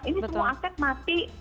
ini semua aset mati